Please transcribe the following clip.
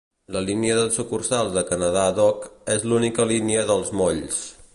La línia de sucursals de Canada Dock és l'única línia dels molls.